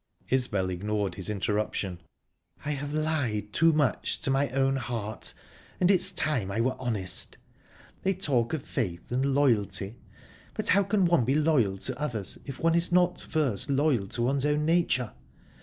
Isbel ignored his interruption. "I have lied too much to my own heart, and it's time I were honest. They talk of faith and loyalty, but how can one be loyal to others if one is not first loyal to one's own nature?